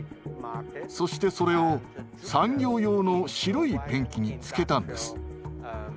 そしてそれを産業用の白いペンキにつけたんです。